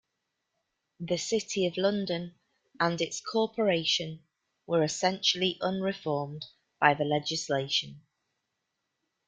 The City of London and its corporation were essentially unreformed by the legislation.